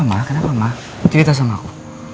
kenapa ma kenapa ma cerita sama aku